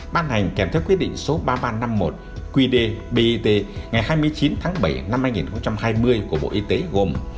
ban hành kèm theo quyết định số ba nghìn ba trăm năm mươi một qd bit ngày hai mươi chín tháng bảy năm hai nghìn hai mươi của bộ y tế gồm